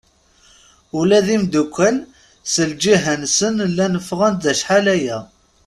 Ula d imddukal s lǧiha-nsen llan ffɣen-d acḥal-aya.